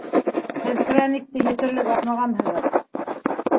Һеҙ краникты етерлек асмағанһығыҙ